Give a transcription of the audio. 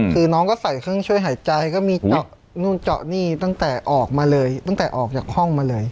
คือน้องก็ใส่เครื่องช่วยหายใจก็มีเจาะนู่นเจาะนี่ตั้งแต่ออกมาเลยตั้งแต่ออกจากห้องมาเลย